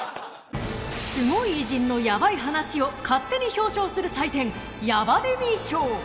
［スゴい偉人のヤバい話を勝手に表彰する祭典ヤバデミー賞］